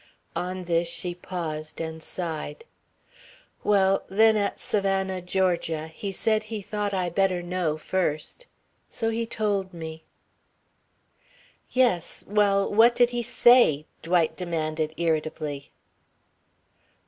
On this she paused and sighed. "Well, then at Savannah, Georgia, he said he thought I better know, first. So he told me." "Yes well, what did he say?" Dwight demanded irritably.